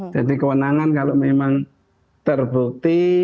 jadi kewenangan kalau memang terbukti